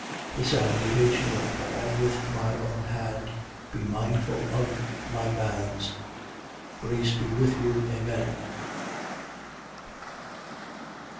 4:18. The salutation of Paul with my own hand. Be mindful of my bands. Grace be with you. Amen.